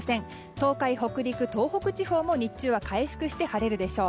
東海・北陸東北地方も日中は回復して晴れるでしょう。